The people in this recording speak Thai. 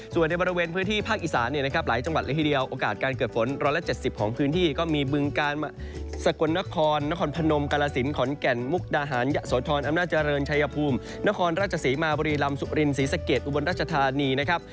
ส่วนในบริเวณพื้นที่ภาคอีสานเนี่ยนะครับหลายจังหวัดละทีเดียวโอกาสการเกิดฝน๑๗๐ของพื้นที่ก็มีบึงกาลสกลนครนครพนมกาลสินขอนแก่นมุกดาหารยะโสธรอำนาจเจริญชัยภูมินครราชศรีมาบุรีลำสุรินศรีสะเกดอุบลรัชธานีนะครับ